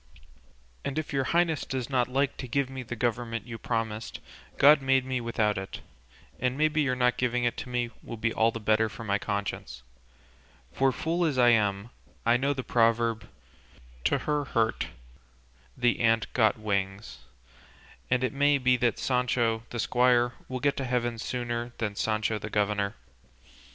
And if your highness does not like to give me the government you promised, God made me without it, and maybe your not giving it to me will be all the better for my conscience, for fool as I am I know the proverb 'to her hurt the ant got wings,' and it may be that Sancho the squire will get to heaven sooner than Sancho the governor.